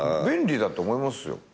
便利だと思いますよ。